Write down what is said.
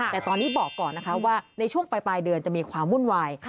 แต่ตอนนี้บอกก่อนนะคะว่าในช่วงปลายเดือนจะมีความวุ่นวาย